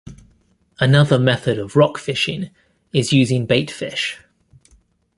Another method of rock fishing is using bait fish.